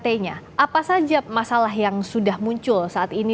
tapi depan vilayah itu yang tertampar ga kita bagikan